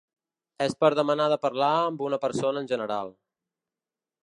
És per demanar de parlar amb una persona en general.